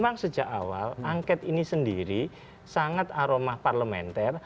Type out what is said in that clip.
memang sejak awal angket ini sendiri sangat aroma parlementer